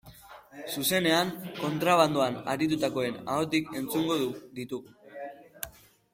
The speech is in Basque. Zuzenean, kontrabandoan aritutakoen ahotik entzungo ditugu.